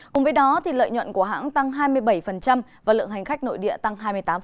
cùng với đó lợi nhuận của hãng tăng hai mươi bảy và lượng hành khách nội địa tăng hai mươi tám